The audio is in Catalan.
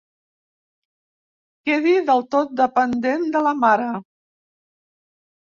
Quedi del tot dependent de la mare.